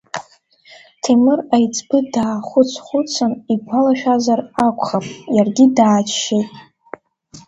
Ҭемыр Аиҵбы, даахәыц-хәыцын, игәалашәазар акәхап, иаргьы дааччеит.